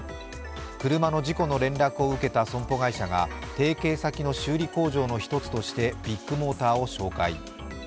車の事故の連絡を受けた損保会社が、提携先の修理工場の一つとしてビッグモーターを紹介。